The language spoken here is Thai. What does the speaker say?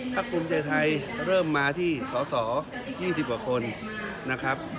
ภักดุมเจยไทยเริ่มมาที่สอสอยี่สิบออกคนนะครับ